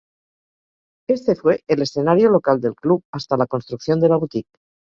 Este fue el escenario local del club hasta la construcción de La Boutique.